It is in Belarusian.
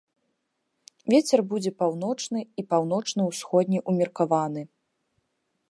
Вецер будзе паўночны і паўночна-ўсходні ўмеркаваны.